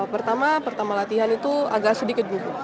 pertama pertama latihan itu agak sedikit bubuk